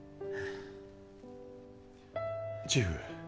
チーフ